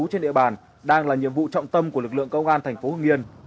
trên địa bàn đang là nhiệm vụ trọng tâm của lực lượng công an thành phố hương niên